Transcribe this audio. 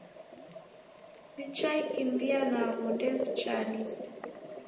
W'ichaakimbia naw'o ndew'ichaasilwa.